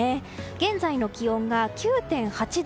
現在の気温が９．８度。